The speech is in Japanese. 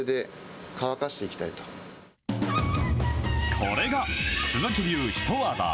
これが鈴木流ヒトワザ。